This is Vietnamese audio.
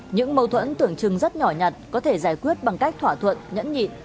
những mâu thuẫn tưởng chừng rất nhỏ nhặt có thể giải quyết bằng cách thỏa thuận nhẫn nhị